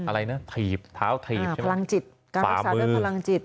อะไรนะถีบท้าวถีบอ่าพลังจิตการรักษาด้วยพลังจิต